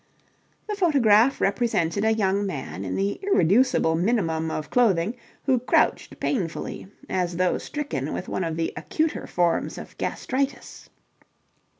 The photograph represented a young man in the irreducible minimum of clothing who crouched painfully, as though stricken with one of the acuter forms of gastritis.